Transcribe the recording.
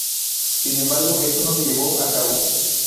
Sin embargo esto no se llevó a cabo.